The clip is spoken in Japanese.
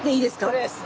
これです。